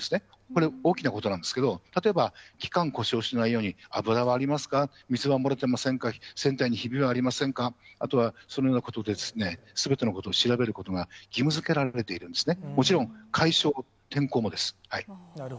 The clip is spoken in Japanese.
これ、大きなことなんですけど、例えば、機関故障しないように、油はありますか、水は漏れてませんか、船体にひびはありませんか、あとはそのようなことで、すべてのことを調べることが義務づけられているんですね。